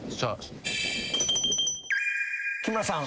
・木村さん。